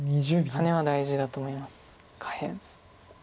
ハネは大事だと思います下辺。